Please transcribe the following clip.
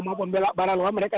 maupun barang luar mereka